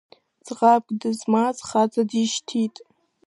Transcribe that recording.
Ӡӷабк дызмаз хаҵа дишьҭит.